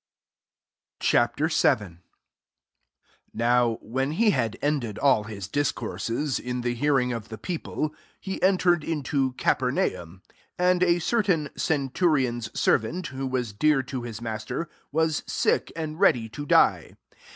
'' lis LUKE VII. Ch. VII. 1 NOW when he had ended all his discourses, in the hearing of the people, he entered into Capernaum, 2 And a certain centurion's servant, who was dear to hia maater^ was sick, and ready to die.